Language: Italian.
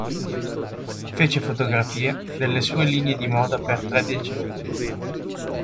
Fece fotografie delle sue linee di moda per tre decenni.